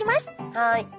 はい。